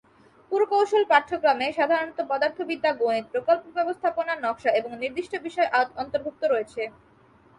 পুরকৌশল পাঠ্যক্রমে সাধারণত পদার্থবিদ্যা, গণিত, প্রকল্প ব্যবস্থাপনা, নকশা এবং নির্দিষ্ট বিষয় অন্তর্ভুক্ত আছে।